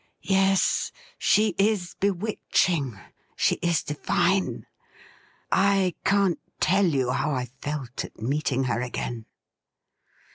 ' Yes ; she is bewitching — she is divine ! I can't tell you how I felt at meeting her again